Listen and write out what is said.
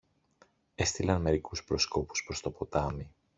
Έστειλαν μερικούς προσκόπους προς το ποτάμι